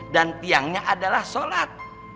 dan tiangnya adalah sholat